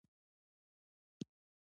د اسونو ځغلول یوه لرغونې لوبه ده.